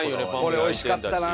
これ美味しかったなあ。